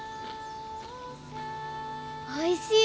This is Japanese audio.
おいしい。